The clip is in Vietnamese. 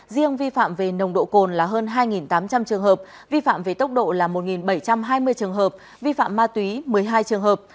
riêng vi phạm về nồng độ cồn là hơn hai tám trăm linh trường hợp vi phạm về tốc độ là một bảy trăm hai mươi trường hợp vi phạm ma túy một mươi hai trường hợp